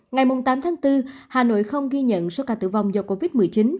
ngày tám tháng bốn hà nội không ghi nhận số ca tử vong do covid một mươi chín